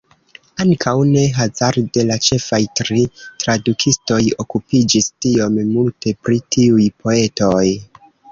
Ankaŭ ne hazarde la ĉefaj tri tradukistoj okupiĝis tiom multe pri tiuj poetoj.